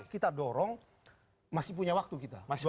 kita dorong masih punya waktu kita